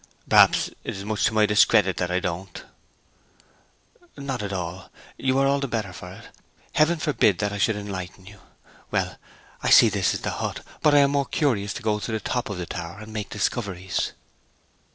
'Perhaps it is much to my discredit that I don't know.' 'Not at all. You are all the better for it. Heaven forbid that I should enlighten you. Well, I see this is the hut. But I am more curious to go to the top of the tower, and make discoveries.'